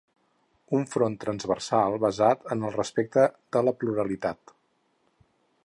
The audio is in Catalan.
Un front transversal, basat en el respecte de la pluralitat.